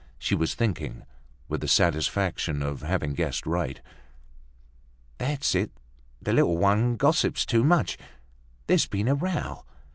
She was thinking, with the satisfaction of having guessed right. "That's it, the little one gossips too much. There's been a row."